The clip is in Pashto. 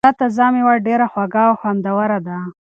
دا تازه مېوه ډېره خوږه او خوندوره ده.